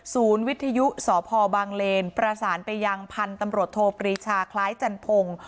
ศูนย์วิทยุสพบางเลนประสานไปยังพันธ์ตำรวจโทพริชาคล้ายจันทรง